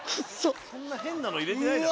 そんな変なの入れてない。